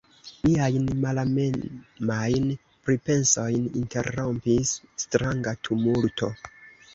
Miajn malamemajn pripensojn interrompis stranga tumulto.